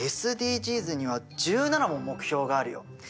ＳＤＧｓには１７も目標があるよ。